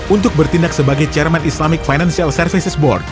untuk bertindak sebagai chairman islamic financial services board